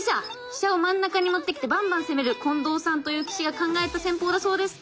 飛車を真ん中に持ってきてバンバン攻める近藤さんという棋士が考えた戦法だそうです。